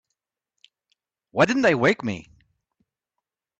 Why didn't they wake me?